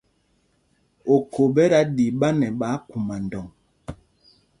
Okhô ɓɛ da ɗi ɓa nɛ ɓáákguma ndɔŋ.